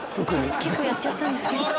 結構やっちゃったんですけど。